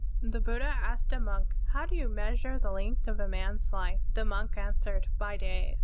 (38) The Buddha asked a monk, "How do you measure the length of a man's life?" The monk answered, "By days."